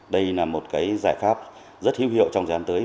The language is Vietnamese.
đây là một giải pháp rất hữu hiệu trong dàn tới